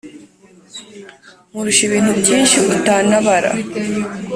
Nkurusha ibintu byinshi utanabara